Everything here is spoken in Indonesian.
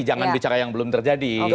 jangan bicara yang belum terjadi